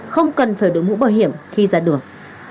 không cần phải đổi mũ bảo hiểm khi ra đường